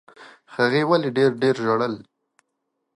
هغې ولي ډېر ډېر ژړل؟